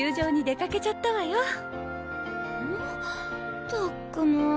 ったくもう！